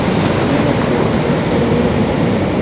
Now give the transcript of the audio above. زه له خپل ورور سره لوبې کوم.